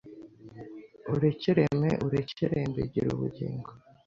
urekereme, urekerembe, gire ubugingo,